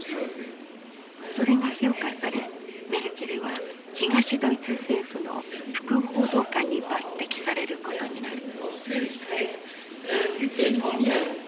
それが評価されメルケルは東ドイツ政府の副報道官に抜てきされることになる。